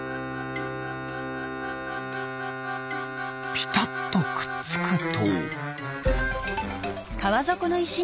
ピタッとくっつくと。